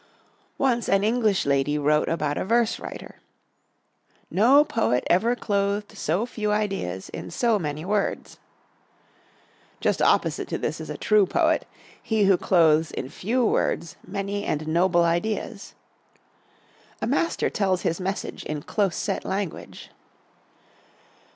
Once an English lady wrote about a verse writer: "No poet ever clothed so few ideas in so many words." Just opposite to this is a true poet, he who clothes in few words many and noble ideas. A master tells his message in close set language.